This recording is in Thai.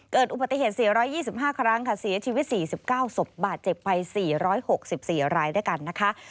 เกิดอุบัติเหตุ๔๒๕ครั้งค่ะเสียชีวิต๔๙ศพบาดเจ็บไป๔๖๔รายด้วยกันนะคะ